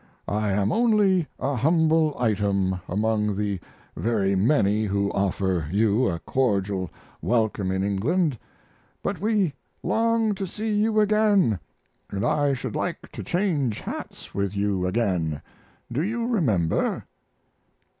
I am only a humble item among the very many who offer you a cordial welcome in England, but we long to see you again, and I should like to change hats with you again. Do you remember?